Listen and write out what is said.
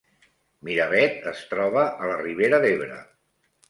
Miravet es troba a la Ribera d’Ebre